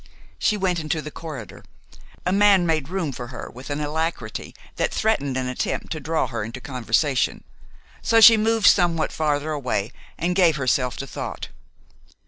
She went into the corridor. A man made room for her with an alacrity that threatened an attempt to draw her into conversation, so she moved somewhat farther away, and gave herself to thought.